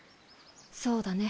そうだね